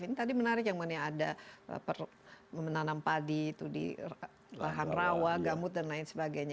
ini tadi menarik yang mana ada menanam padi itu di lahan rawa gambut dan lain sebagainya